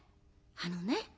あのね